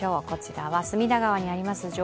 こちらは隅田川にあります